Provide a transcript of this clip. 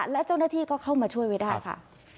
และเจ้าหน้าที่ก็เข้ามาช่วยไว้ได้ค่ะ